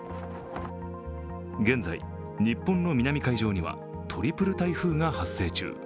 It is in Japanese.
現在日本の南海上にはトリプル台風が発生中。